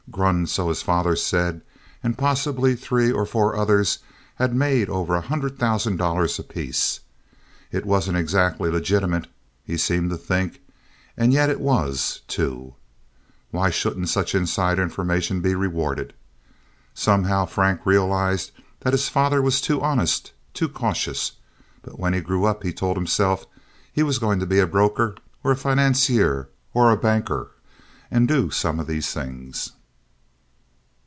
Grund, so his father said, and possibly three or four others, had made over a hundred thousand dollars apiece. It wasn't exactly legitimate, he seemed to think, and yet it was, too. Why shouldn't such inside information be rewarded? Somehow, Frank realized that his father was too honest, too cautious, but when he grew up, he told himself, he was going to be a broker, or a financier, or a banker, and do some of these things.